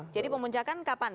jadi memuncakan kapan